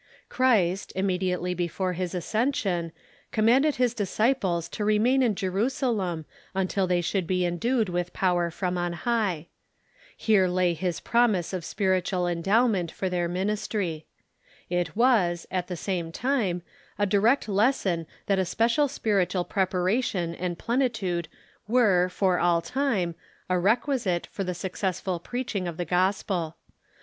Christ, immediately before his ascension, commanded his disciples to remain in Jerusalem until they should be endued with power from on high. Here lay his promise of spiritual endowment for their ministry. It was, at the same time, a direct lesson that a special spiritual preparation and plenitude were, for all time, a requisite for the successful preaching of the gosjjel.